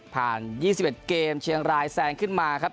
ผ่านยี่สิบเอ็ดเกมเชียงรายแซงขึ้นมาครับ